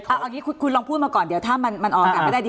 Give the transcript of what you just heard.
อ่ะอันนี้คุณลองพูดมาก่อนเดี๋ยวถ้ามันออกกลับไม่ได้ดี